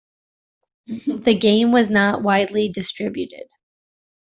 The game was not widely distributed.